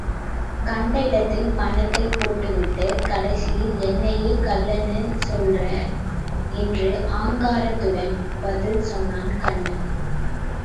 கண்ட இடத்தில் பணத்தைப் போட்டு விட்டு, கடைசியில் என்னையே கள்ளன்னு சொல்றே என்று ஆங்காரத்துடன் பதில் சொன்னான் கண்ணன்.